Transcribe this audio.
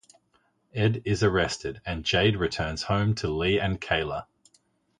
Ed is arrested and Jade returns home to Leigh and Kayla.